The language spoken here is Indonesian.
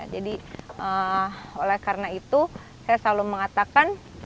jadi oleh karena itu saya selalu mengatakan